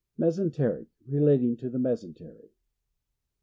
Mesenteric. — Relating to the mesen tery.